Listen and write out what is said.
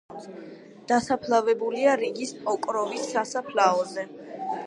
დასაფლავებულია რიგის პოკროვის სასაფლაოზე.